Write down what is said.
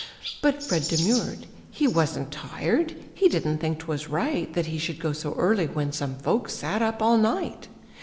But Fred demurred. "He wasn't tired, He didn't think 'twas right That he should go so early, when Some folks sat up all night."